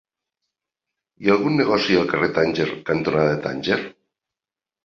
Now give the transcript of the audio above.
Hi ha algun negoci al carrer Tànger cantonada Tànger?